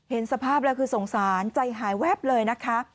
เห็นสภาพแล้วคือสงสารใจหายแวบเลยนะคะ